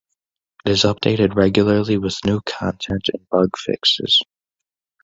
It is updated regularly with new content and bugfixes.